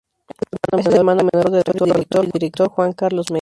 Es el hermano menor del actor, autor y director Juan Carlos Mesa.